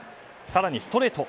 更に、ストレート。